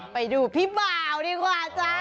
ไปดูพี่บ่าวดีกว่าจ้า